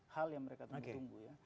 hal yang mereka tunggu tunggu ya